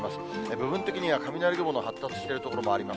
部分的には雷雲の発達している所もあります。